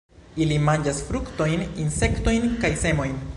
Ili manĝas fruktojn, insektojn kaj semojn.